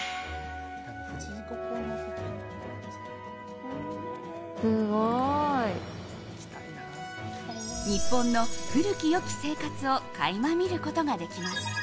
すごい！日本の古き良き生活を垣間見ることができます。